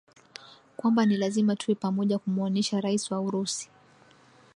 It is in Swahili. kwamba ni lazima tuwe pamoja kumuonesha Rais wa Urusi